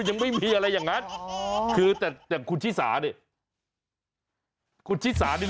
ยังไม่มีอะไรอย่างนั้นคือแต่อย่างคุณชิสาเนี่ยคุณชิสานี่